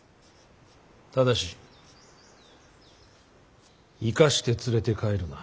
ただし生かして連れて帰るな。